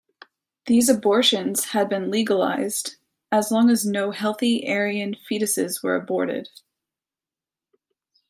These abortions had been legalized, as long as no healthy Aryan fetuses were aborted.